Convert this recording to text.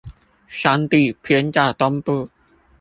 山地偏在東部